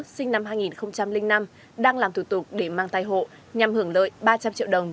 sinh năm hai nghìn năm đang làm thủ tục để mang thai hộ nhằm hưởng lợi ba trăm linh triệu đồng